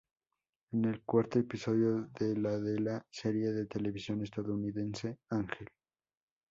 Es el cuarto episodio de la de la serie de televisión estadounidense Ángel.